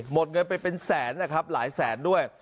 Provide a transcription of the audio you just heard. หมดเงินไปเป็นแสนนะครับหลายแสนด้วย